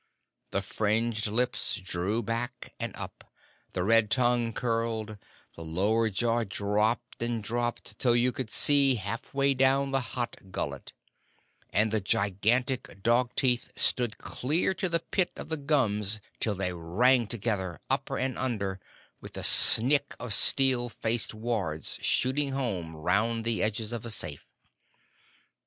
The fringed lips drew back and up; the red tongue curled; the lower jaw dropped and dropped till you could see half way down the hot gullet; and the gigantic dog teeth stood clear to the pit of the gums till they rang together, upper and under, with the snick of steel faced wards shooting home round the edges of a safe.